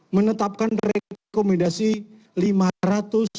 menetapkan rekomendasi lima ratus